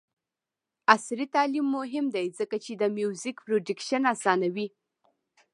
عصري تعلیم مهم دی ځکه چې د میوزیک پروډکشن اسانوي.